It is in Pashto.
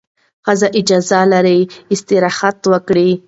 ښځه اجازه لري استراحت وکړي.